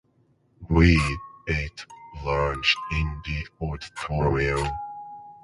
We ate lunch in the auditorium.